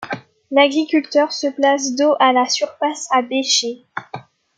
L'agriculteur se place dos à la surface à bêcher.